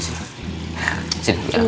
sini biar aku